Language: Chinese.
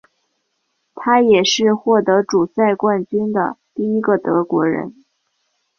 他也是获得主赛冠军的第一个德国人。